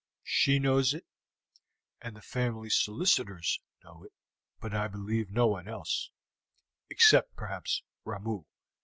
She knows it, and the family solicitors know it, but I believe no one else, except, perhaps, Ramoo.